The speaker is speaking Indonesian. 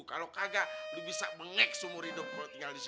kalau kagak lo bisa bengek seumur hidup kalau tinggal di situ